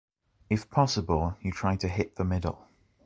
If possible, you try to hid the middle.